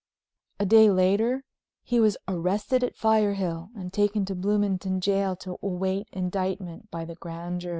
A day later he was arrested at Firehill and taken to Bloomington jail to await indictment by the Grand Jury.